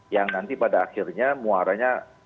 yang nanti pada akhirnya muaranya